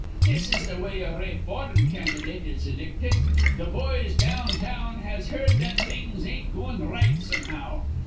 "This is th' way a rayform candydate is ilicted. Th' boys down town has heerd that things ain't goin' r right somehow.